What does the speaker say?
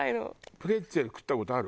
プレッツェル食った事ある？